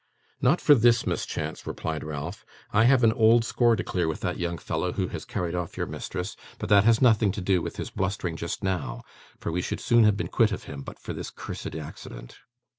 'Not for this mischance,' replied Ralph. 'I have an old score to clear with that young fellow who has carried off your mistress; but that has nothing to do with his blustering just now, for we should soon have been quit of him, but for this cursed accident.